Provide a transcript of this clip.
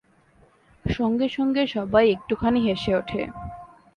সঙ্গে সঙ্গে সবাই একটুখানি হেসে ওঠে।